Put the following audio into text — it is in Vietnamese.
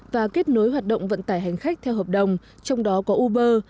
và kết nối hoạt động vận tải hành khách theo hợp đồng trong đó có uber